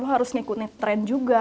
harus ngikutin tren juga